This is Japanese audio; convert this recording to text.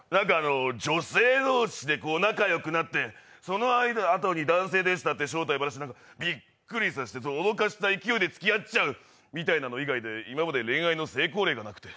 女性同士で仲よくなってそのあとに男性ですって正体ばらしてびっくりさせて、脅かした勢いでつきあっちゃうみたいなの以外で今まで恋愛の成功例がなくて。